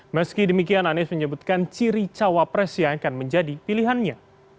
meski demikian anies menyebutkan ciri cawapres yang akan menjadi pilihannya